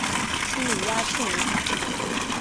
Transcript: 心里雀跃无比